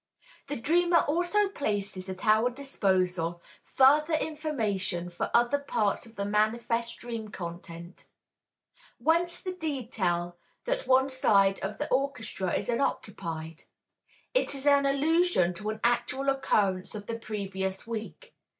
The dreamer also places at our disposal further information for other parts of the manifest dream content. Whence the detail that one side of the orchestra is unoccupied? It is an allusion to an actual occurrence of the previous week.